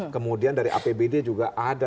kemudian dari apbd juga ada